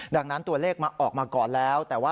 ดังนั้นตัวเลขออกมาก่อนแล้ว